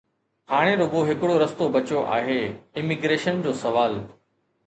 ھاڻي رڳو ھڪڙو رستو بچيو آھي: اميگريشن جو سوال